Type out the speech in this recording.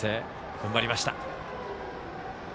踏ん張りました。